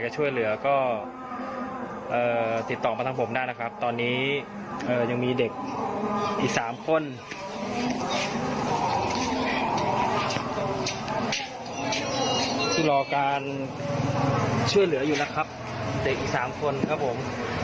ชื่อเหลืออยู่นะครับเด็กอีก๓คนครับผม